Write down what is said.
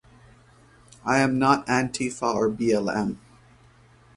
I am not antifa or blm.